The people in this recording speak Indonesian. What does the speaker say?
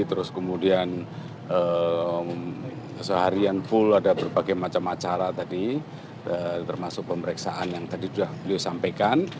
terus kemudian seharian full ada berbagai macam acara tadi termasuk pemeriksaan yang tadi sudah beliau sampaikan